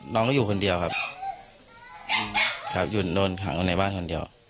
น้องก็อยู่คนเดียวครับครับอยู่โดนขังอยู่ในบ้านคนเดียว